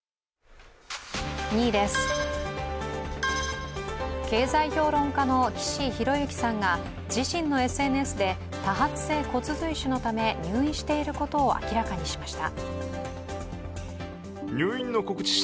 ２位です、経済評論家の岸博幸さんが自身のＳＮＳで多発性骨髄腫のため入院していることを明らかにしました。